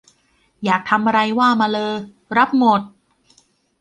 อยากทำอะไรว่ามาเลอ รับหมด